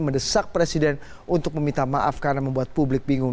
mendesak presiden untuk meminta maaf karena membuat publik bingung